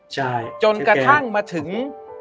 ใช่จนกระทั่งมาถึง